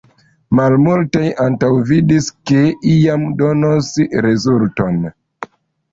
Malmultaj antaŭvidis, ke iam donos rezulton.